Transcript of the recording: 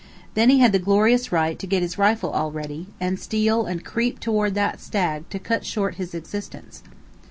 Then he had the glorious right to get his rifle all ready, and steal and creep toward that stag to cut short his existence.